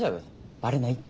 バレないって絶対。